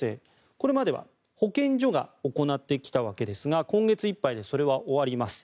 これまでは保健所が行ってきたわけですが今月いっぱいでそれは終わります。